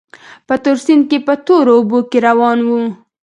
په تور سیند کې په تورو اوبو کې روان وو.